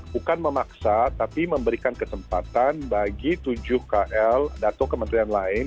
bukan memaksa tapi memberikan kesempatan bagi tujuh kl atau kementerian lain